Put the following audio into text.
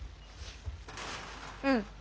うん！